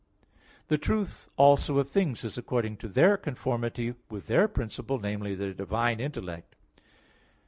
The truth also of things is according to their conformity with their principle, namely, the divine intellect.